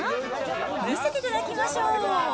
見せていただきましょう。